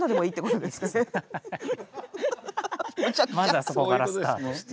まずはそこからスタートして。